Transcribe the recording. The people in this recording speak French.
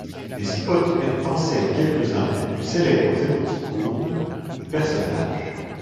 Les spots mettent en scène quelques-uns des plus célèbres émoticônes du personnage.